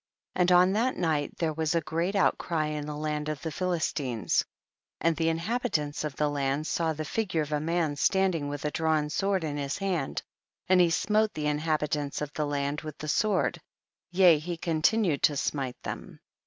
And on that night there was a great outcry in the land of the Phi listines, and the inhabitants of the land saw the figure of a man stand ing with a drawn sword in his hand, and he smote the inhabitants of the land with the sword, yea he continued to smite them.